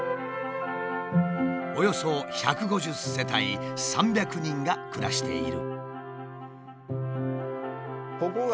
およそ１５０世帯３００人が暮らしている。